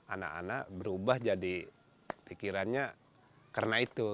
anak anak berubah jadi pikirannya karena itu